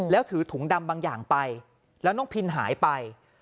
แล้วถือถุงดำบางอย่างไปแล้วน้องพินหายไป